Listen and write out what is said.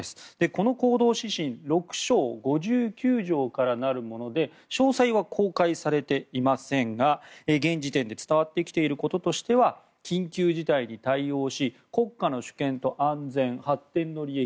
この行動指針６章５９条からなるもので詳細は公開されていませんが現時点で伝わってきていることとしては緊急事態に対応し国家の主権と安全、発展の利益